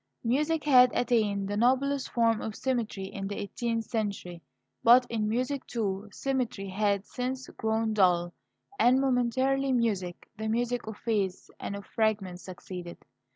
Music had attained the noblest form of symmetry in the eighteenth century, but in music, too, symmetry had since grown dull; and momentary music, the music of phase and of fragment, succeeded.